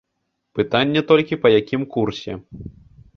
Пытанне толькі, па якім курсе.